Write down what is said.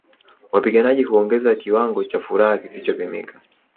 Wapiganaji huongeza kiwango cha furaha kisichopimika